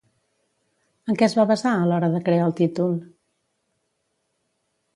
En què es va basar a l'hora de crear el títol?